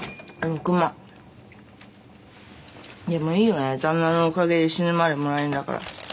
でもいいよね旦那のおかげで死ぬまでもらえんだから。